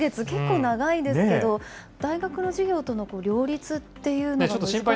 結構長いですけど、大学の授業との両立っていうのが難しそうです